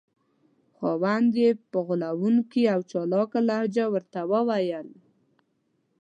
خاوند یې په غولونکې او چالاکه لهجه ورته وویل.